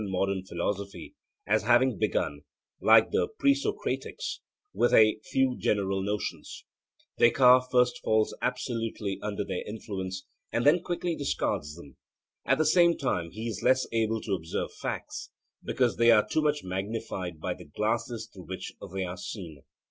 It is characteristic of the first period of modern philosophy, that having begun (like the Presocratics) with a few general notions, Descartes first falls absolutely under their influence, and then quickly discards them. At the same time he is less able to observe facts, because they are too much magnified by the glasses through which they are seen.